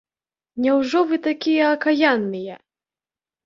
Няўжо вы такія акаянныя?!